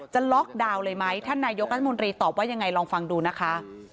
ล็อกดาวน์เลยไหมท่านนายกรัฐมนตรีตอบว่ายังไงลองฟังดูนะคะ